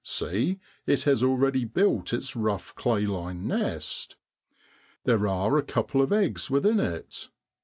See! it has already built its rough clay lined nest. There are a couple of eggs within it.